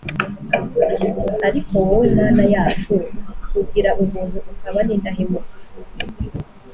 Ariko wowe, Mana yacu, ugira ubuntu ukaba n’indahemuka,